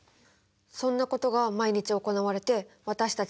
そんなことが毎日行われて私たち